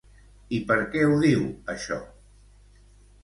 I per què ho diu, això?